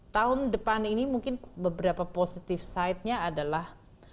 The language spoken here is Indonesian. tahun depan ini mungkin beberapa positif side nya adalah